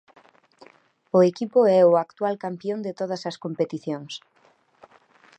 O equipo é o actual campión de todas as competicións.